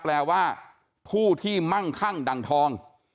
แปลว่าผู้ที่มั่งคั่งดังทอง